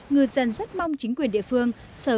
ngư dân rất mong chính quyền địa phương đánh lật nghiêng